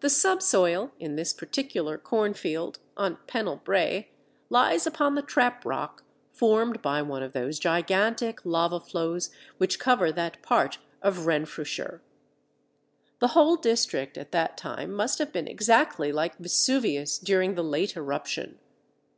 The subsoil in this particular cornfield (on Pennell Brae) lies upon the trap rock formed by one of those gigantic lava flows which cover that part of Renfrewshire. The whole district at that time must have been exactly like Vesuvius during the late eruption.